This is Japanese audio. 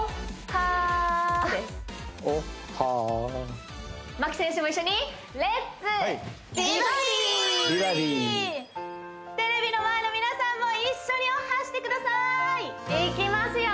はー牧選手も一緒にテレビの前の皆さんも一緒に「おっはー」してくださいいきますよ